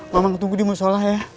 mamang ngetunggu di musyolah ya